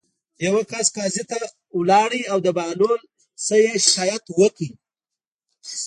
یوه کس قاضي ته لاړ او د بهلول نه یې شکایت وکړ.